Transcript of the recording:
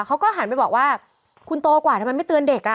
เขาก็หันไปบอกว่าคุณโตกว่าทำไมไม่เตือนเด็กอ่ะ